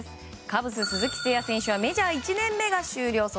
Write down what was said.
カブス、鈴木誠也選手はメジャー１年目が終了。